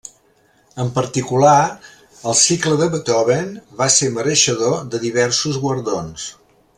En particular, el cicle de Beethoven va ser mereixedor de diversos guardons.